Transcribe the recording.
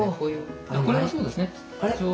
これがそうですね。